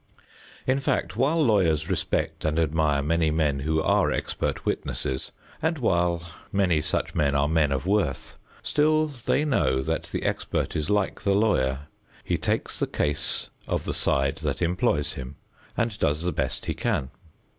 In fact, while lawyers respect and admire many men who are expert witnesses, and while many such men are men of worth, still they know that the expert is like the lawyer: he takes the case of the side that employs him, and does the best he can.